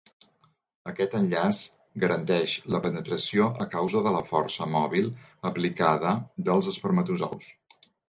Aquest "enllaç" garanteix la penetració a causa de la força mòbil aplicada dels espermatozous.